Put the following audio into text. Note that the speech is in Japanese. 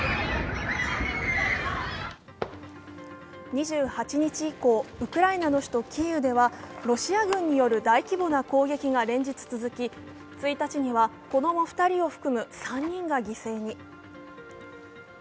２８日以降、ウクライナの首都キーウではロシア軍による大規模な攻撃が連日続き、１日には子供２人を含む３人が犠牲に。